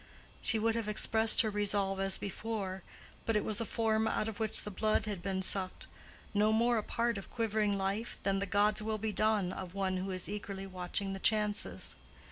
She would have expressed her resolve as before; but it was a form out of which the blood had been sucked—no more a part of quivering life than the "God's will be done" of one who is eagerly watching chances.